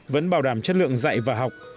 vẫn bảo đảm chất lượng dạy và học